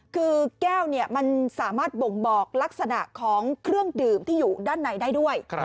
คือแก้วมันสามารถบ่งบอกลักษณะของเครื่องดื่มที่อยู่ด้านในได้ด้วย